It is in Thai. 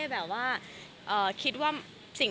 ก็บอกว่าเซอร์ไพรส์ไปค่ะ